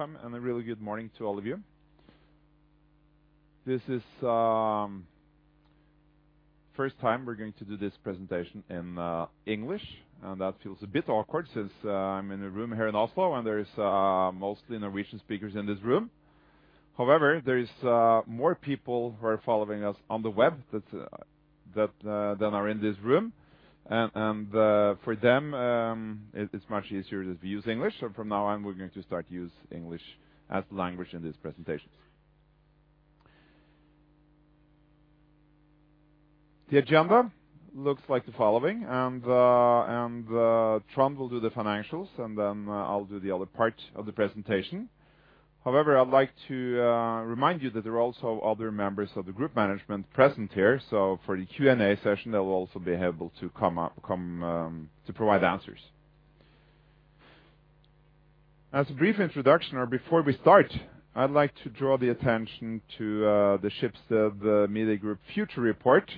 Welcome and a really good morning to all of you. This is first time we're going to do this presentation in English, and that feels a bit awkward since I'm in a room here in Oslo and there is mostly Norwegian speakers in this room. However, there is more people who are following us on the web that than are in this room. For them, it's much easier to use English. From now on, we're going to start to use English as the language in these presentations. The agenda looks like the following, and Trond will do the financials, and then I'll do the other part of the presentation. However, I'd like to remind you that there are also other members of the group management present here. For the Q&A session, they will also be able to come to provide answers. As a brief introduction or before we start, I'd like to draw the attention to the Schibsted Media Group Future Report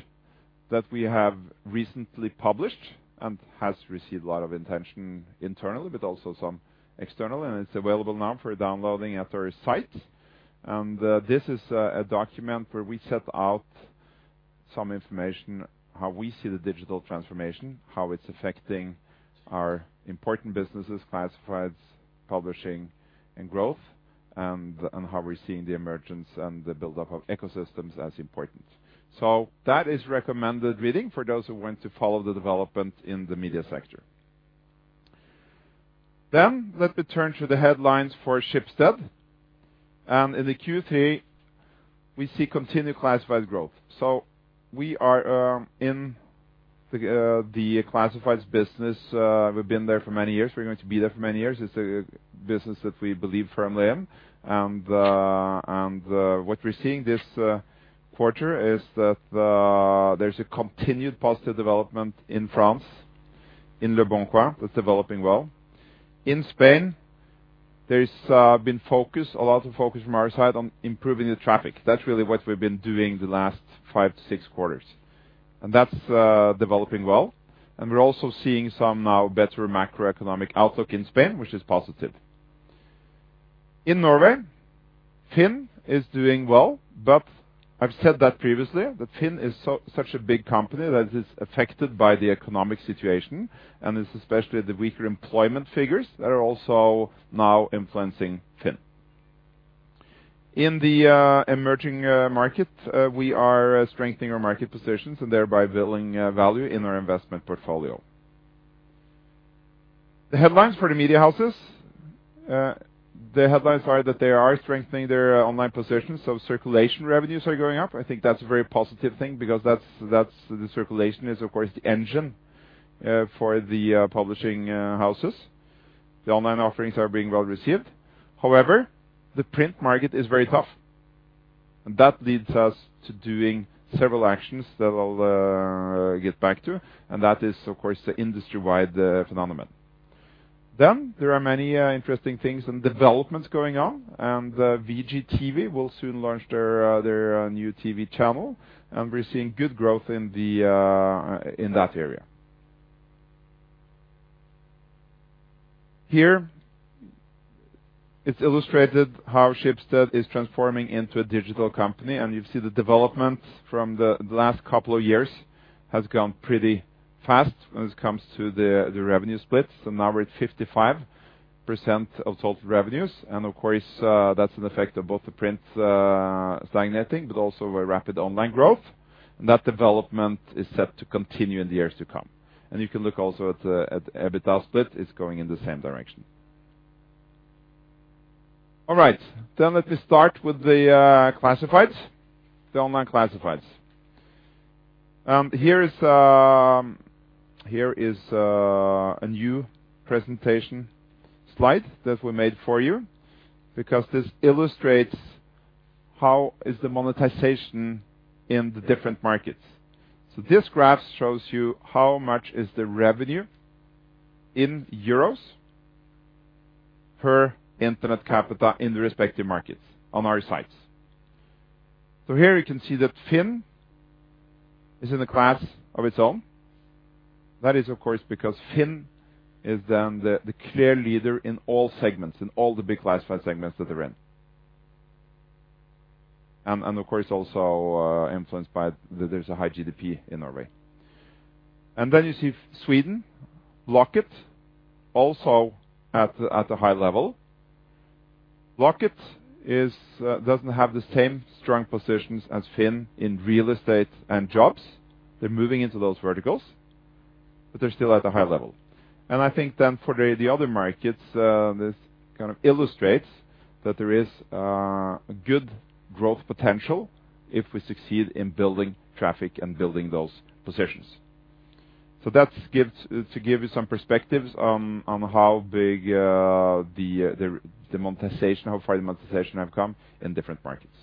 that we have recently published and has received a lot of attention internally, but also some external, it's available now for downloading at our site. This is a document where we set out some information, how we see the digital transformation, how it's affecting our important businesses, classifieds, publishing and growth, and how we're seeing the emergence and the buildup of ecosystems as important. That is recommended reading for those who want to follow the development in the media sector. Let me turn to the headlines for Schibsted. In the Q3, we see continued classified growth. We are in the classifieds business. We've been there for many years. We're going to be there for many years. It's a business that we believe firmly in. What we're seeing this quarter is that there's a continued positive development in France, in Leboncoin, that's developing well. In Spain, there's been a lot of focus from our side on improving the traffic. That's really what we've been doing the last five to six quarters. That's developing well. We're also seeing some now better macroeconomic outlook in Spain, which is positive. In Norway, FINN is doing well, but I've said that previously, that FINN is such a big company that it is affected by the economic situation, and it's especially the weaker employment figures that are also now influencing FINN. In the emerging market, we are strengthening our market positions and thereby building value in our investment portfolio. The headlines for the media houses. The headlines are that they are strengthening their online positions. Circulation revenues are going up. I think that's a very positive thing because that's the circulation is, of course, the engine for the publishing houses. The online offerings are being well-received. However, the print market is very tough, and that leads us to doing several actions that I'll get back to, and that is, of course, the industry-wide phenomenon. There are many interesting things and developments going on, and VGTV will soon launch their new TV channel, and we're seeing good growth in that area. Here, it's illustrated how Schibsted is transforming into a digital company. You see the development from the last couple of years has gone pretty fast when it comes to the revenue splits. Now we're at 55% of total revenues. Of course, that's an effect of both the print stagnating, but also a rapid online growth. That development is set to continue in the years to come. You can look also at the EBITDA split, it's going in the same direction. All right, let me start with the classifieds, the online classifieds. Here is a new presentation slide that we made for you because this illustrates how is the monetization in the different markets. This graph shows you how much is the revenue in euros per internet capita in the respective markets on our sites. Here you can see that FINN is in a class of its own. That is, of course, because FINN is then the clear leader in all segments, in all the big classified segments that they're in. Of course, also, influenced by that there's a high GDP in Norway. Then you see Sweden, Blocket, also at a high level. Blocket doesn't have the same strong positions as FINN in real estate and jobs. They're moving into those verticals, but they're still at a high level. I think then for the other markets, this kind of illustrates that there is good growth potential if we succeed in building traffic and building those positions. That's to give you some perspectives on how big the monetization, how far the monetization have come in different markets.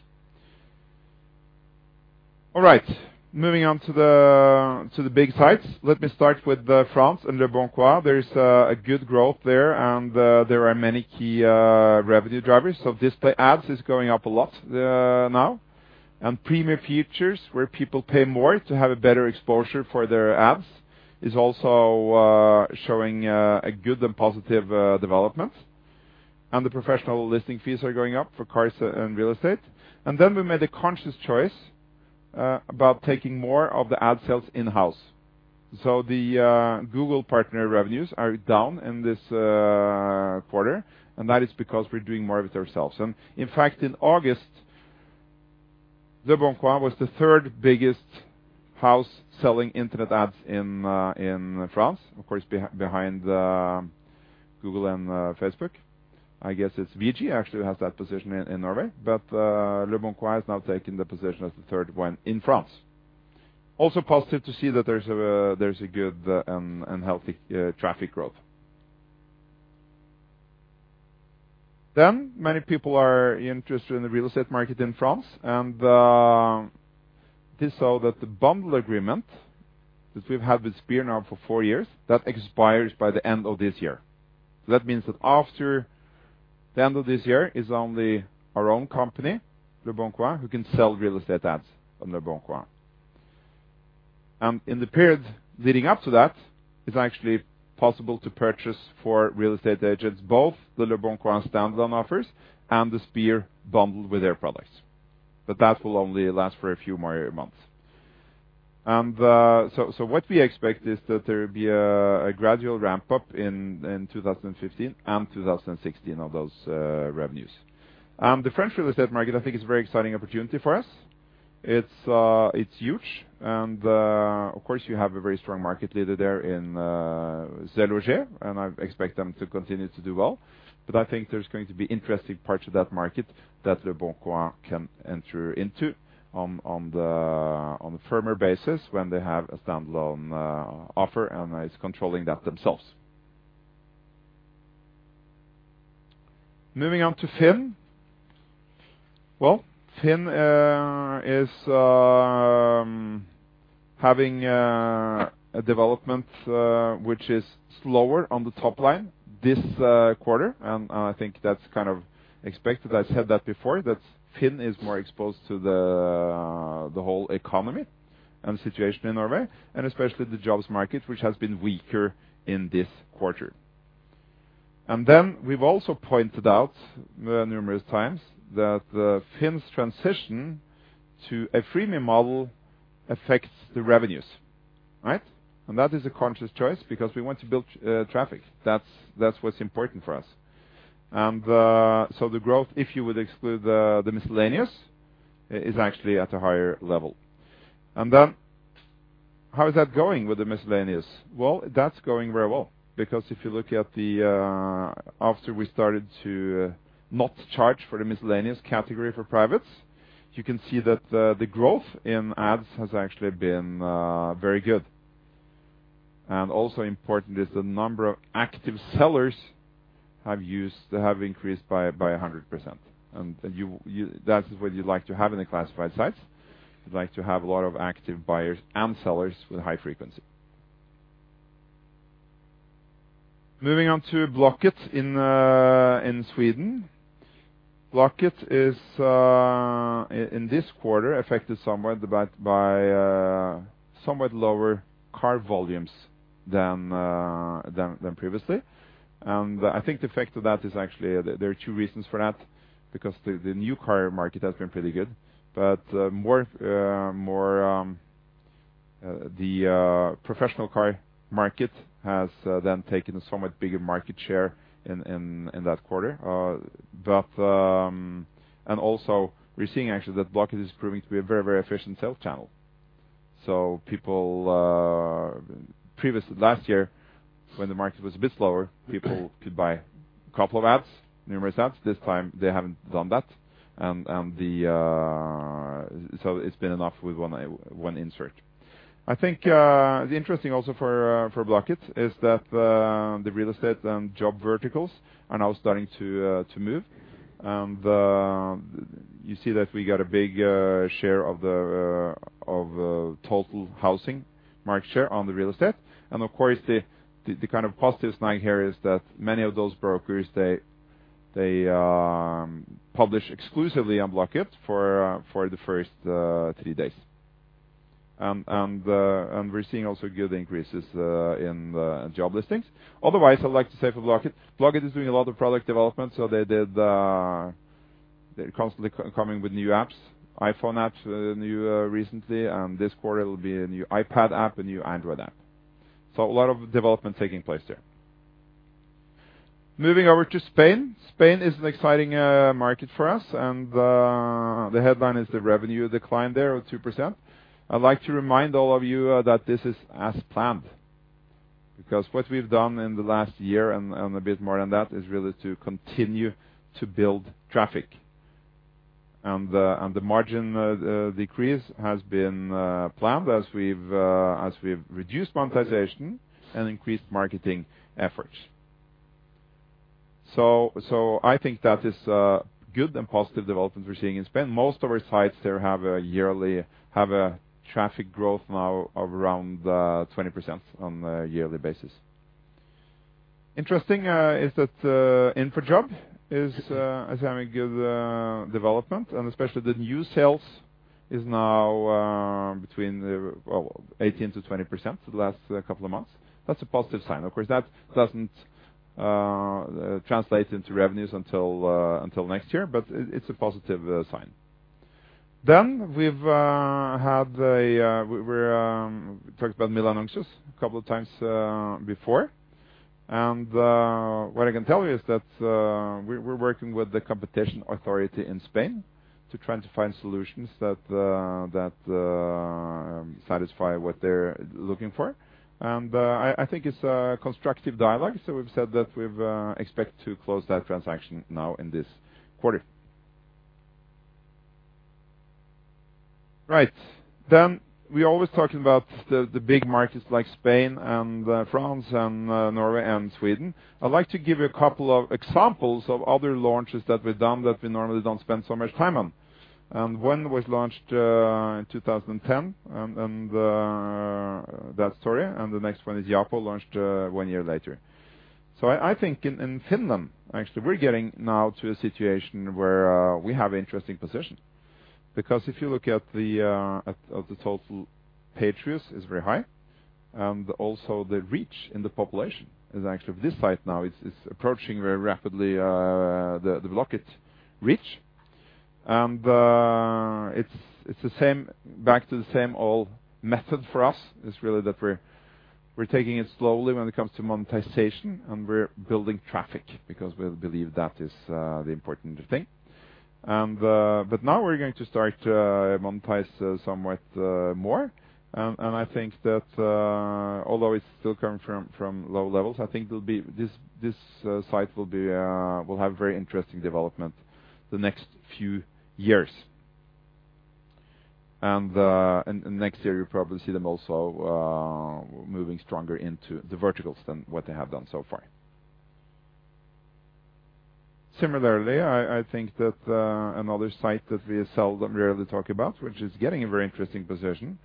Moving on to the big sites. Let me start with France and Leboncoin. There is a good growth there are many key revenue drivers. Display ads is going up a lot now. Premium features, where people pay more to have a better exposure for their ads, is also showing a good and positive development. The professional listing fees are going up for cars and real estate. We made a conscious choice about taking more of the ad sales in-house. The Google partner revenues are down in this quarter, that is because we're doing more of it ourselves. In fact, in August, Leboncoin was the third biggest house selling internet ads in France, of course, behind Google and Facebook. I guess VG actually has that position in Norway, but Leboncoin has now taken the position as the third one in France. Also positive to see that there's a good and healthy traffic growth. Many people are interested in the real estate market in France, and this saw that the bundle agreement that we've had with Spir now for four years, that expires by the end of this year. That means that after the end of this year is only our own company, Leboncoin, who can sell real estate ads on Leboncoin. In the period leading up to that, it's actually possible to purchase for real estate agents, both the Leboncoin standalone offers and the Spir bundled with their products. That will only last for a few more months. What we expect is that there will be a gradual ramp-up in 2015 and 2016 of those revenues. The French real estate market, I think, is a very exciting opportunity for us. It's huge, of course, you have a very strong market leader there in SeLoger, and I expect them to continue to do well. I think there's going to be interesting parts of that market that Leboncoin can enter into on a firmer basis when they have a standalone offer and is controlling that themselves. Moving on to FINN. FINN is having a development which is slower on the top line this quarter. I think that's kind of expected. I said that before, that FINN is more exposed to the whole economy and the situation in Norway, and especially the jobs market, which has been weaker in this quarter. We've also pointed out numerous times that FINN's transition to a freemium model affects the revenues, right? That is a conscious choice because we want to build traffic. That's what's important for us. The growth, if you would exclude the miscellaneous, is actually at a higher level. How is that going with the miscellaneous? That's going very well because if you look at the, after we started to not charge for the miscellaneous category for privates, you can see that the growth in ads has actually been very good. Also important is the number of active sellers have increased by 100%. You that is what you'd like to have in the classified sites. You'd like to have a lot of active buyers and sellers with high frequency. Moving on to Blocket in Sweden. Blocket is in this quarter affected somewhat by somewhat lower car volumes than previously. I think the effect of that is actually there are two reasons for that, because the new car market has been pretty good. More, more, the professional car market has then taken a somewhat bigger market share in that quarter. Also we're seeing actually that Blocket is proving to be a very, very efficient sales channel. People last year, when the market was a bit slower, people could buy a couple of ads, numerous ads. This time they haven't done that. It's been enough with one insert. I think the interesting also for Blocket is that the real estate and job verticals are now starting to move. You see that we got a big share of total housing market share on the real estate. Of course, the kind of positive sign here is that many of those brokers, they publish exclusively on Blocket for the first three days. We're seeing also good increases in job listings. Otherwise, I'd like to say for Blocket is doing a lot of product development, so they did, they're constantly coming with new apps. iPhone app, new recently, and this quarter will be a new iPad app, a new Android app. A lot of development taking place there. Moving over to Spain. Spain is an exciting market for us, and the headline is the revenue declined there of 2%. I'd like to remind all of you that this is as planned, because what we've done in the last year and a bit more than that is really to continue to build traffic. The margin decrease has been planned as we've reduced monetization and increased marketing efforts. I think that is a good and positive development we're seeing in Spain. Most of our sites there have a traffic growth now of around 20% on a yearly basis. Interesting is that InfoJobs is having good development and especially the new sales is now between 18%-20% for the last couple of months. That's a positive sign. Of course, that doesn't translate into revenues until next year, but it's a positive sign. We've talked about Milanuncios a couple of times before. What I can tell you is that we're working with the Competition Authority in Spain to try to find solutions that that satisfy what they're looking for. I think it's a constructive dialogue. We've said that we've expect to close that transaction now in this quarter. Right. We always talking about the big markets like Spain and France and Norway and Sweden. I'd like to give you a couple of examples of other launches that we've done that we normally don't spend so much time on. One was launched in 2010. That story, the next one is Yapo, launched one year later. I think in Finland, actually, we're getting now to a situation where we have interesting position. If you look at the of the total pay rates is very high, and also the reach in the population is actually this site now is approaching very rapidly the Blocket reach. It's the same back to the same old method for us. It's really that we're taking it slowly when it comes to monetization, and we're building traffic because we believe that is the important thing. Now we're going to start to monetize somewhat more. I think that, although it's still coming from low levels, I think this site will be will have very interesting development the next few years. Next year, you'll probably see them also, moving stronger into the verticals than what they have done so far. Similarly, I think that another site that we seldom rarely talk about, which is getting a very interesting position.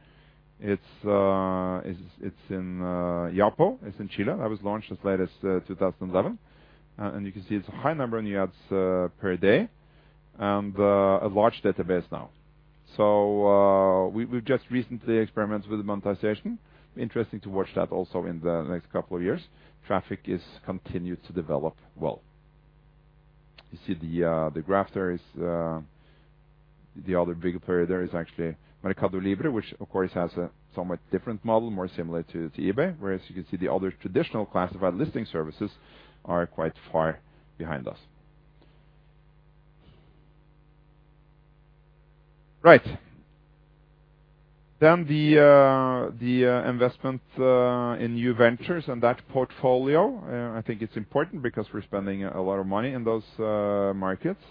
It's, it's in Yapo. It's in Chile. That was launched as late as 2011. You can see it's a high number in the ads, per day, and a large database now. We've just recently experimented with monetization. Interesting to watch that also in the next couple of years. Traffic is continued to develop well. You see the graph there is the other big player there is actually MercadoLibre, which of course, has a somewhat different model, more similar to eBay, whereas you can see the other traditional classified listing services are quite far behind us. Right. The investment in new ventures and that portfolio, I think it's important because we're spending a lot of money in those markets.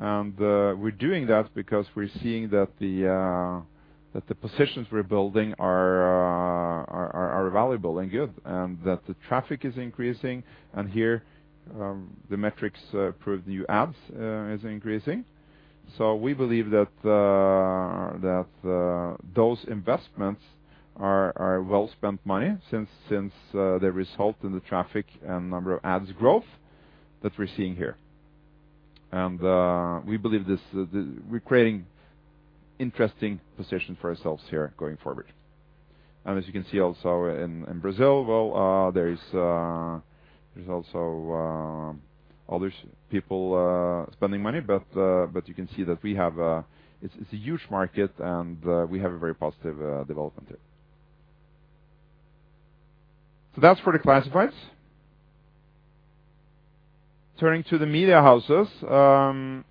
We're doing that because we're seeing that the positions we're building are valuable and good and that the traffic is increasing. Here, the metrics prove the new ads is increasing. We believe that those investments are well-spent money since they result in the traffic and number of ads growth that we're seeing here. We believe this, we're creating interesting position for ourselves here going forward. As you can see also in Brazil, well, there is, there's also other people spending money, but you can see that we have a huge market, and we have a very positive development there. That's for the classifieds. Turning to the media houses, there are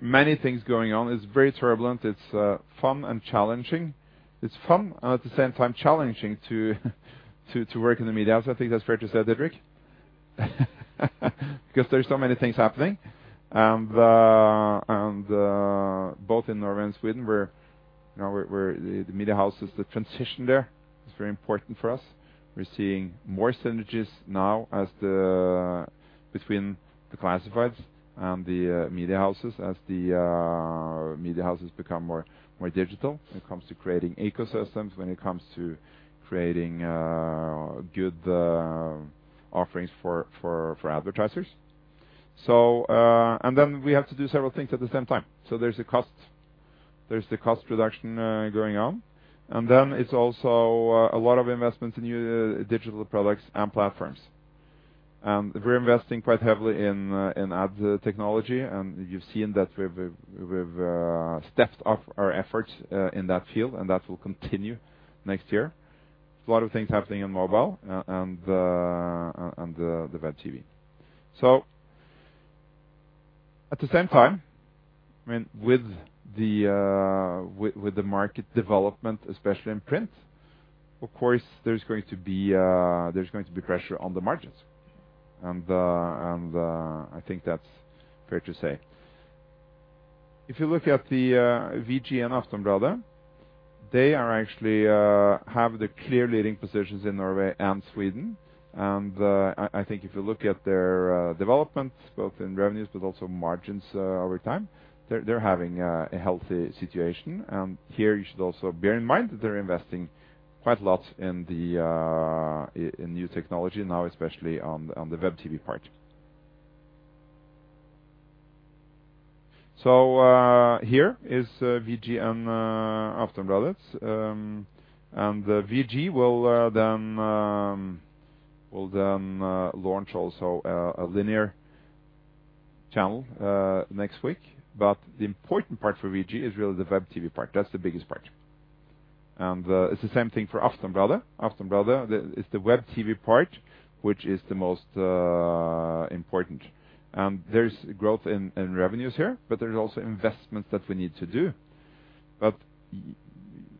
many things going on. It's very turbulent. It's fun and challenging. It's fun and at the same time challenging to work in the media house. I think that's fair to say, Didrik? Because there's so many things happening. Both in Norway and Sweden, we're, you know, we're the media houses, the transition there is very important for us. We're seeing more synergies now as between the classifieds and the media houses as the media houses become more, more digital when it comes to creating ecosystems, when it comes to creating good offerings for advertisers. We have to do several things at the same time. There's the cost reduction going on. It's also a lot of investments in new digital products and platforms. We're investing quite heavily in ad technology, and you've seen that we've stepped up our efforts in that field, and that will continue next year. A lot of things happening in mobile and the web TV. At the same time, I mean, with the market development, especially in print, of course, there's going to be pressure on the margins. I think that's fair to say. If you look at the VG and Aftenbladet, they are actually have the clear leading positions in Norway and Sweden. I think if you look at their development both in revenues but also margins over time, they're having a healthy situation. Here you should also bear in mind that they're investing quite a lot in new technology now, especially on the web TV part. Here is VG and Aftenbladet's. The VG will then launch also a linear channel next week. The important part for VG is really the web TV part. That's the biggest part. It's the same thing for Aftenbladet. Aftenbladet, it's the web TV part which is the most important. There's growth in revenues here, but there's also investments that we need to do.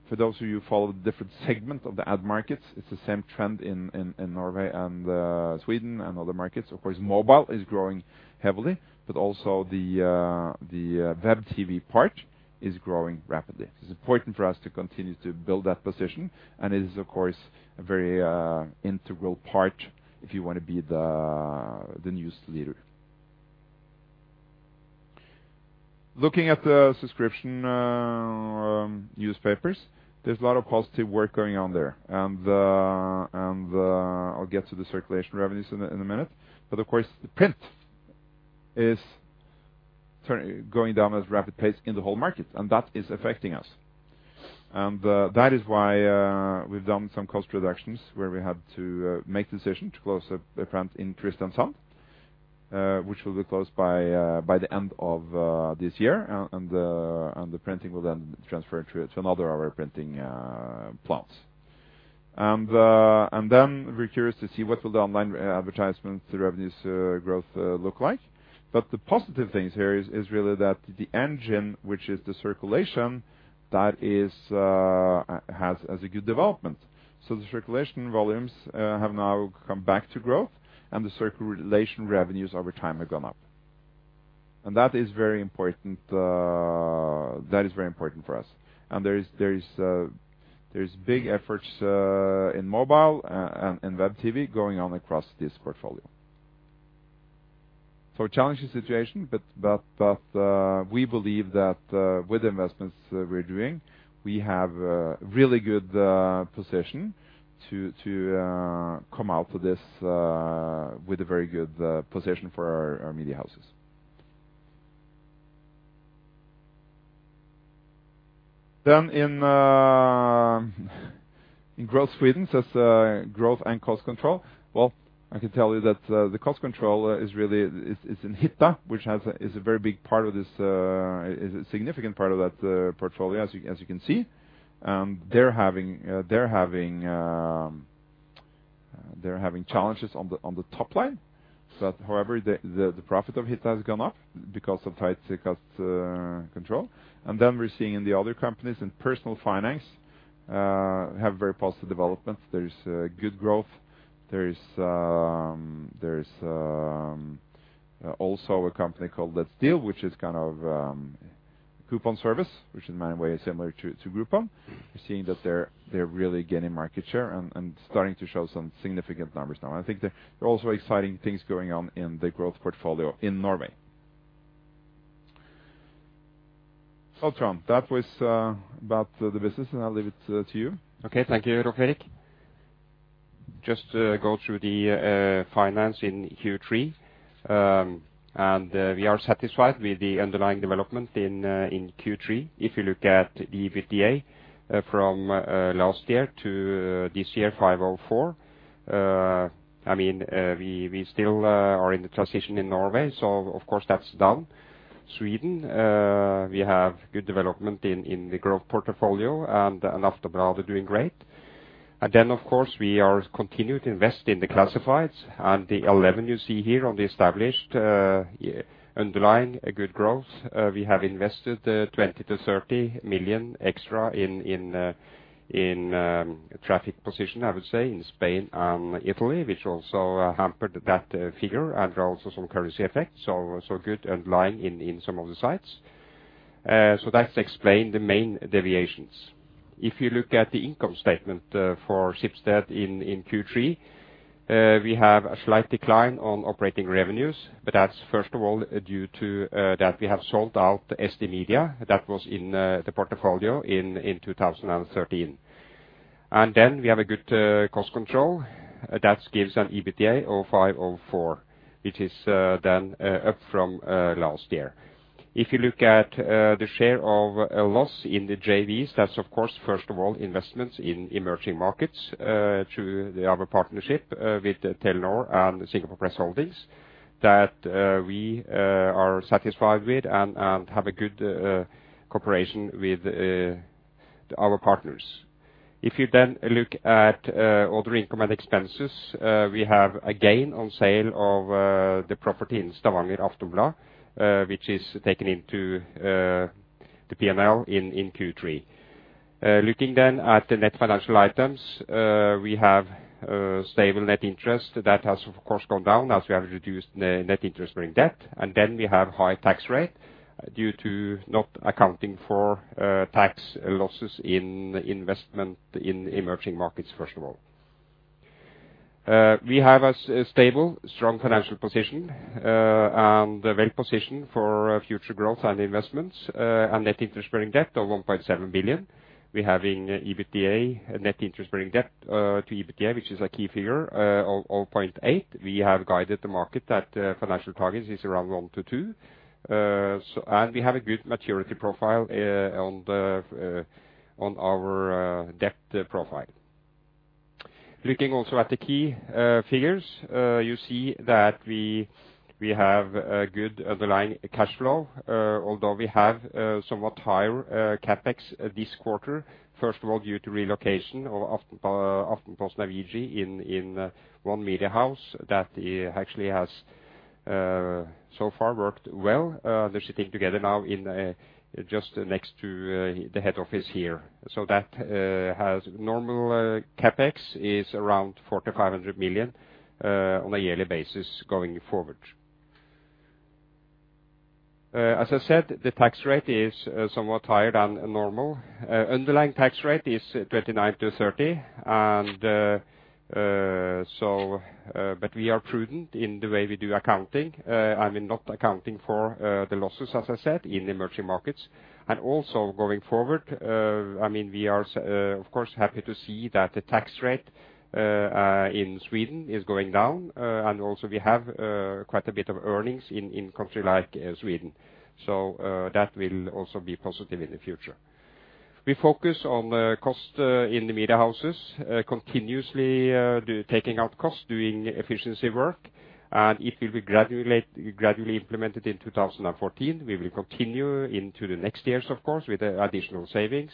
For those of you who follow the different segment of the ad markets, it's the same trend in, in Norway and Sweden and other markets. Of course, mobile is growing heavily, but also the web TV part is growing rapidly. It's important for us to continue to build that position, and it is, of course, a very integral part if you wanna be the news leader. Looking at the subscription newspapers, there's a lot of positive work going on there. I'll get to the circulation revenues in a minute. Of course, the print is going down as rapid pace in the whole market, and that is affecting us. That is why we've done some cost reductions where we had to make decisions to close the print in Kristiansand, which will be closed by the end of this year. The printing will then transfer to another of our printing plants. Then we're curious to see what will the online advertisements revenues growth look like. The positive things here is really that the engine, which is the circulation, that is has a good development. The circulation volumes have now come back to growth and the circulation revenues over time have gone up. That is very important for us. There's big efforts in mobile and in web TV going on across this portfolio. A challenging situation, but we believe that with investments we're doing, we have a really good position to come out of this with a very good position for our media houses. In Growth Sweden, it's growth and cost control. Well, I can tell you that the cost control is really in Hitta, which is a very big part of this, is a significant part of that portfolio as you can see. They're having challenges on the top line. However, the profit of Hitta has gone up because of tight cost control. Then we're seeing in the other companies, in personal finance, have very positive developments. There's good growth. There's also a company called Let's deal, which is kind of a coupon service, which in many ways similar to Groupon. We're seeing that they're really gaining market share and starting to show some significant numbers now. I think there are also exciting things going on in the growth portfolio in Norway. Trond, that was about the business, and I'll leave it to you. Okay. Thank you, Rolv Erik. Just to go through the finance in Q3. We are satisfied with the underlying development in Q3. If you look at the EBITDA from last year to this year, 504 million. I mean, we still are in the transition in Norway, so of course that's down. Sweden, we have good development in the growth portfolio and Aftenbladet doing great. Of course, we are continued to invest in the classifieds, and the 11 you see here on the established underlying a good growth. We have invested 20 million-30 million extra in traffic position, I would say, in Spain and Italy, which also hampered that figure and also some currency effects, good underlying in some of the sites. That's explained the main deviations. If you look at the income statement for Schibsted in Q3, we have a slight decline on operating revenues, that's first of all due to that we have sold out SD Media that was in the portfolio in 2013. We have a good cost control. That's gives an EBITDA of 504 million, which is up from last year. If you look at the share of a loss in the JVs, that's of course, first of all, investments in emerging markets, through the other partnership, with Telenor and Singapore Press Holdings that we are satisfied with and have a good cooperation with our partners. If you then look at other income and expenses, we have, again, on sale of the property in Stavanger Aftenblad, which is taken into the P&L in Q3. Looking then at the net financial items, we have stable net interest. That has of course gone down as we have reduced net interest during debt. We have high tax rate due to not accounting for tax losses in investment in emerging markets, first of all. We have a stable, strong financial position and a well position for future growth and investments, and net interest-bearing debt of 1.7 billion. We have in EBITDA net interest-bearing debt to EBITDA, which is a key figure, of 0.8. We have guided the market that financial targets is around one to two. We have a good maturity profile on the on our debt profile. Looking also at the key figures, you see that we have a good underlying cash flow, although we have somewhat higher CapEx this quarter, first of all due to relocation of Aftenposten and VG in one media house that actually has so far worked well. They're sitting together now in just next to the head office here. That has normal CapEx is around 400 million- 500 million on a yearly basis going forward. As I said, the tax rate is somewhat higher than normal. Underlying tax rate is 29% to 30%. We are prudent in the way we do accounting. I mean, not accounting for the losses, as I said, in emerging markets. Also going forward, I mean, we are of course happy to see that the tax rate in Sweden is going down, and also we have quite a bit of earnings in country like Sweden. That will also be positive in the future. We focus on cost in the media houses continuously taking out cost, doing efficiency work. It will be gradually implemented in 2014. We will continue into the next years, of course, with additional savings.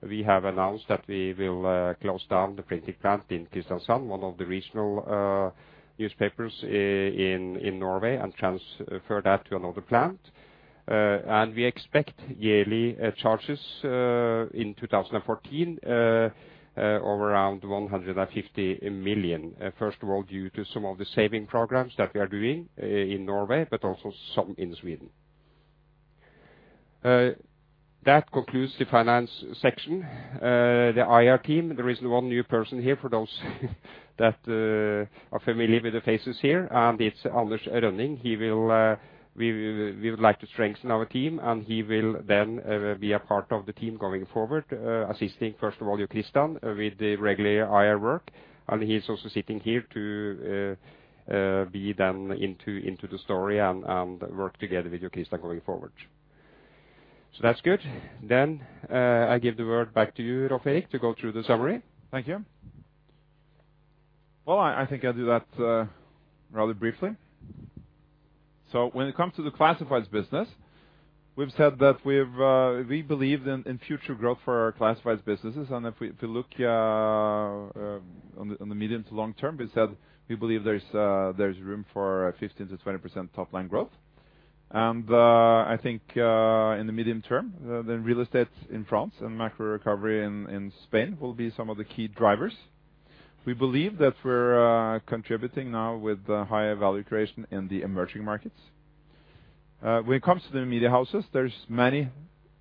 We have announced that we will close down the printing plant in Kristiansand, one of the regional newspapers in Norway and transfer that to another plant. We expect yearly charges in 2014 of around 150 million, first of all, due to some of the saving programs that we are doing in Norway, but also some in Sweden. That concludes the finance section. The IR team, there is one new person here for those that are familiar with the faces here, and it's Anders Rønning. He will, we would like to strengthen our team, and he will then be a part of the team going forward, assisting, first of all, Jo Christian with the regular IR work. He's also sitting here to be then into the story and work together with Jo Christian going forward. That's good. I give the word back to you, Rolv Erik, to go through the summary. Thank you. Well, I think I'll do that rather briefly. When it comes to the classifieds business, we've said that we believe in future growth for our classifieds businesses. If we, if you look on the medium to long term, we said we believe there's room for 15%-20% top-line growth. I think, in the medium term, the real estate in France and macro recovery in Spain will be some of the key drivers. We believe that we're contributing now with higher value creation in the emerging markets. When it comes to the media houses, there's many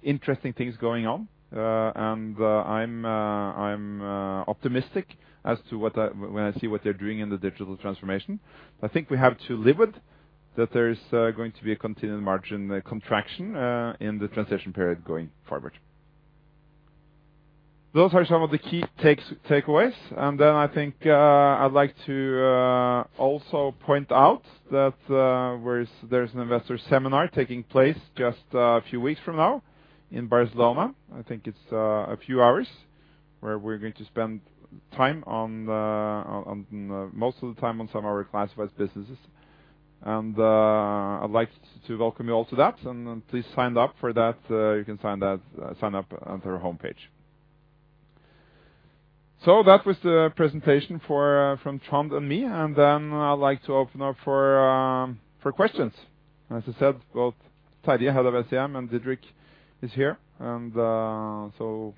interesting things going on. I'm optimistic as to what when I see what they're doing in the digital transformation. I think we have to live with that there is going to be a continued margin contraction in the transition period going forward. Those are some of the key takeaways. I think I'd like to also point out that there's an investor seminar taking place just a few weeks from now in Barcelona. I think it's a few hours where we're going to spend time on on most of the time on some of our classifieds businesses. I'd like to welcome you all to that, and please sign up for that. You can sign up on our homepage. That was the presentation for from Trond and me, and then I'd like to open up for questions. As I said, both Terje, head of SEM, and Didrik is here, and so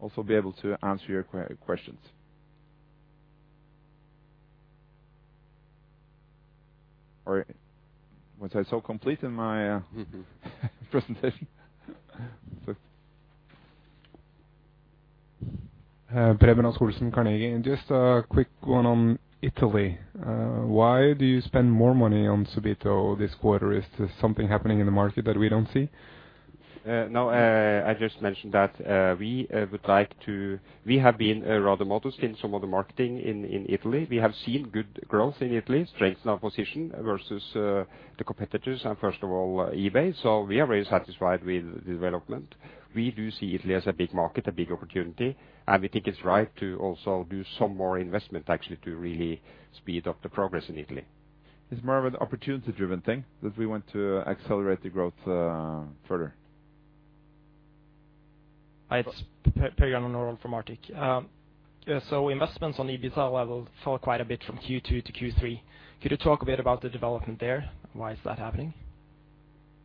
also be able to answer your questions. Was I so complete in my presentation? Preben Rasch-Olsen from Carnegie. Just a quick one on Italy. Why do you spend more money on Subito this quarter? Is there something happening in the market that we don't see? No, I just mentioned that we have been rather modest in some of the marketing in Italy. We have seen good growth in Italy, strengthen our position versus the competitors and first of all, eBay. We are very satisfied with the development. We do see Italy as a big market, a big opportunity, and we think it's right to also do some more investment actually to really speed up the progress in Italy. It's more of an opportunity-driven thing that we want to accelerate the growth further. It's Per Gunnar Nordahl from Arctic. Investments on the EBITDA level fell quite a bit from Q2 to Q3. Could you talk a bit about the development there? Why is that happening?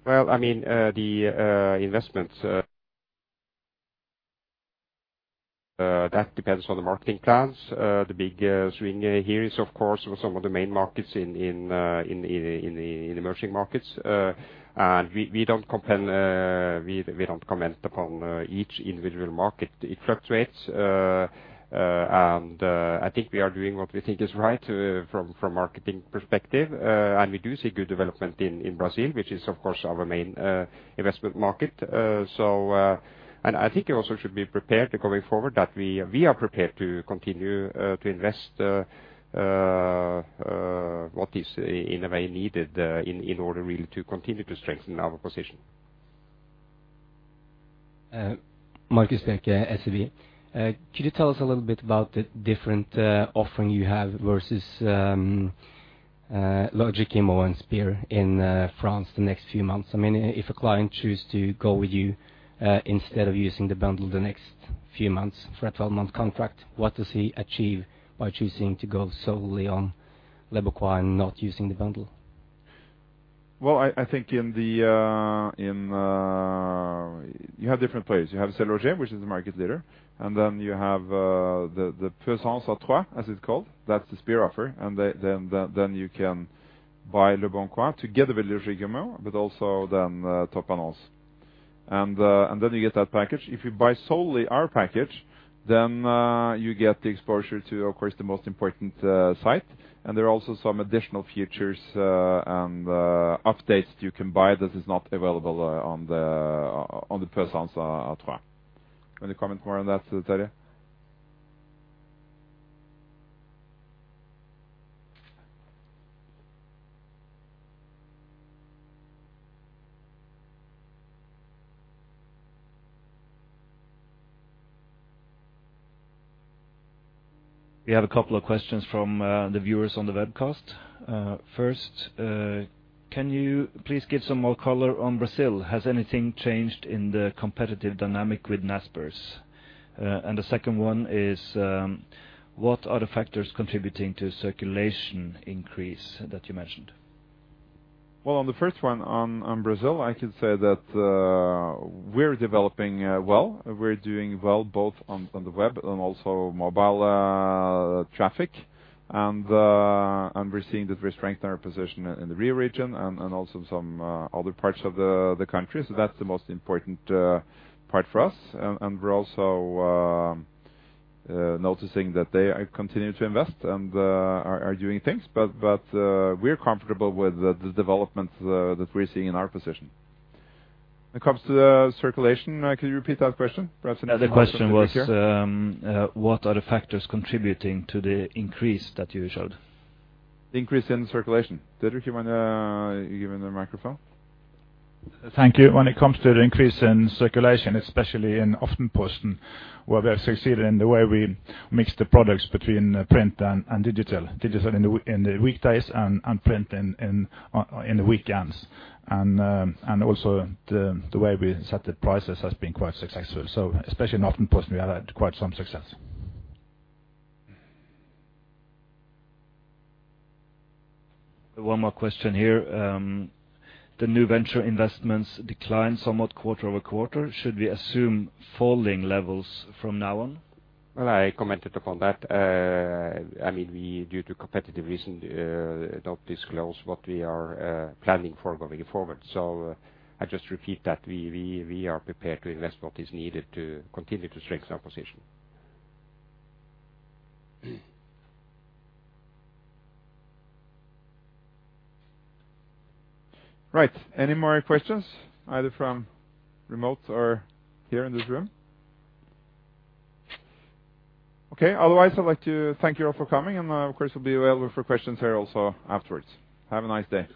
Well, I mean, the investments, that depends on the marketing plans. The big swing here is of course some of the main markets in emerging markets. We don't comment upon each individual market. It fluctuates. I think we are doing what we think is right from marketing perspective. We do see good development in Brazil, which is of course our main investment market. I think you also should be prepared going forward that we are prepared to continue to invest what is in a way needed in order really to continue to strengthen our position. Markus Heiberg, SEB. Could you tell us a little bit about the different offering you have versus Logic-Immo and Spir in France the next few months? I mean, if a client choose to go with you instead of using the bundle the next few months for a 12-month contract, what does he achieve by choosing to go solely on Leboncoin and not using the bundle? I think in the, in, you have different players. You have SeLoger, which is the market leader, and then you have the Puissance 3, as it's called, that's the Spir offer. Then you can buy Leboncoin to get the vieille économie, but also then Topannonces. Then you get that package. If you buy solely our package, then you get the exposure to, of course, the most important site. There are also some additional features and updates you can buy that is not available on the, on the Puissance 3. Any comment more on that, Terje? We have a couple of questions from the viewers on the webcast. First, can you please give some more color on Brazil? Has anything changed in the competitive dynamic with Naspers? The second one is what are the factors contributing to circulation increase that you mentioned? Well, on the first one on Brazil, I can say that, we're developing, well. We're doing well both on the web and also mobile, traffic. We're seeing that we strengthen our position in the Rio region and also some other parts of the country. That's the most important part for us. We're also noticing that they are continuing to invest and are doing things. But, we're comfortable with the developments that we're seeing in our position. When it comes to the circulation, could you repeat that question? The question was, what are the factors contributing to the increase that you showed. Increase in circulation. Didrik, you wanna. You given the microphone. Thank you. When it comes to the increase in circulation, especially in Aftenposten, where we have succeeded in the way we mix the products between print and digital. Digital in the weekdays and print in the weekends. Also the way we set the prices has been quite successful. Especially in Aftenposten, we have had quite some success. One more question here. The new venture investments declined somewhat quarter-over-quarter. Should we assume falling levels from now on? Well, I commented upon that. I mean, we, due to competitive reason, don't disclose what we are, planning for going forward. I just repeat that we are prepared to invest what is needed to continue to strengthen our position. Right. Any more questions either from remote or here in this room? Okay. Otherwise, I'd like to thank you all for coming. Of course, we'll be available for questions here also afterwards. Have a nice day.